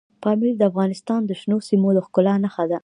پامیر د افغانستان د شنو سیمو د ښکلا نښه ده.